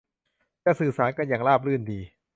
จะสื่อสารกันอย่างราบรื่นดี